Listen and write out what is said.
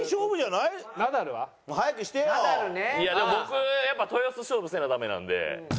いやでも僕やっぱ豊洲勝負せなダメなので。